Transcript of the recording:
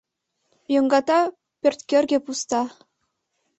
Йоҥгата пӧрткӧргӧ пуста.